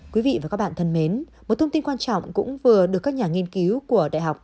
quý vị và các bạn thân mến một thông tin quan trọng cũng vừa được các nhà nghiên cứu của đại học